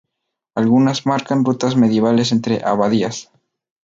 Algunas marcan rutas medievales entre abadías.